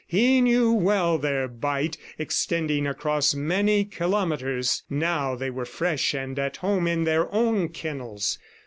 He knew well their bite, extending across many kilometres. Now they were fresh and at home in their own kennels.